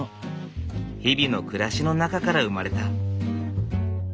日々の暮らしの中から生まれた。